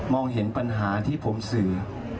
เห็นปัญหาที่ผมสื่อ